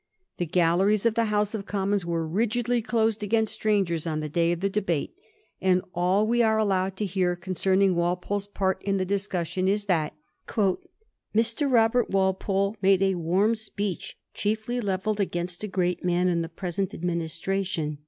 The galleries of the House of Commons were rigidly closed against stran gers on the day of the debate, and all we are allowed to hear concerning Walpole's part in the discussion is that * Mr. Robert Walpole made a warm speech, chiefly levelled against a great man in the present administration.'